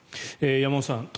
山本さん